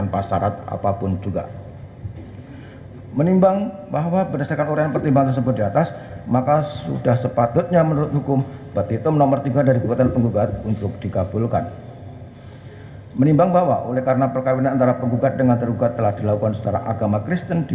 pertama penggugat akan menerjakan waktu yang cukup untuk menerjakan si anak anak tersebut yang telah menjadi ilustrasi